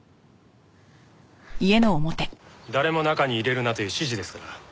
誰も中に入れるなという指示ですから。